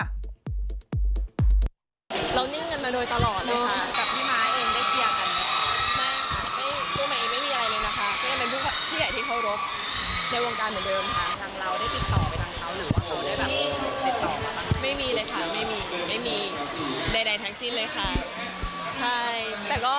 อเจมส์มีประสาทที่จะได้ใดแถางสิ้นเลยค่ะ